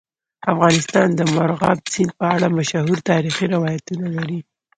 افغانستان د مورغاب سیند په اړه مشهور تاریخی روایتونه لري.